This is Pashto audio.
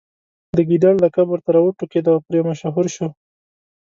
د ګیدړ لقب ورته راوټوکېد او پرې مشهور شو.